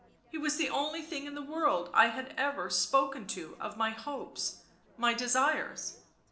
. he was the only thing in the world I had ever spoken to of my hopes, my desires